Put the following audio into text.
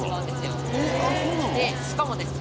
しかもですね